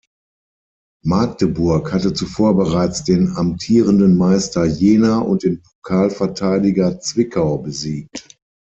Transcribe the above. Magdeburg hatte zuvor bereits den amtierenden Meister Jena und den Pokalverteidiger Zwickau besiegt.